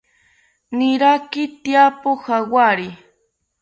Niraki tyapo jawari